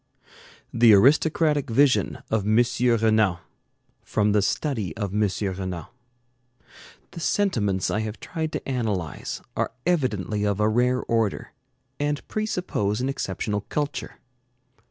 THE ARISTOCRATIC VISION OF M. RENAN From the 'Study of M. Renan' The sentiments I have tried to analyze are evidently of a rare order, and presuppose an exceptional culture.